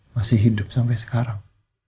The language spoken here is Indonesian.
masih hidup sampai sekarang